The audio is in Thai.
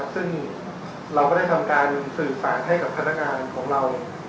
ซึ่งเราก็ได้ทำการสื่อสารให้กับพนักงานของเรา